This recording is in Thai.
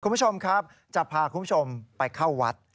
คุณผู้ชมครับจะพาคุณผู้ชมไปเข้าวัด